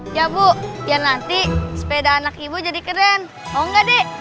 iya bu biar nanti sepeda anak ibu jadi keren mau nggak dek